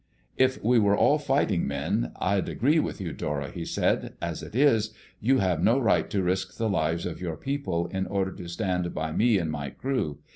"If we were all fighting men, I'd agree with you, Dora," he said. "As it is, you have no right to risk the lives of your people in order to stand by me and my crew.